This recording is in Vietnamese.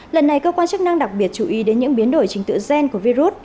lần này cơ quan chức năng đặc biệt chú ý đến những biến đổi trình tự gen của virus